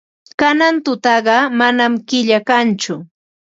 Kanan tutaqa manam killa kanchu.